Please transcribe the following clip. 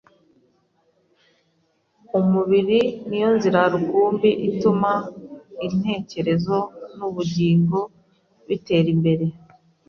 Umubiri ni yo nzira rukumbi ituma intekerezo n’ubugingo bitera imbere